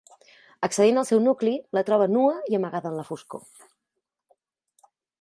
Accedint al seu nucli, la troba nua i amagada en la foscor.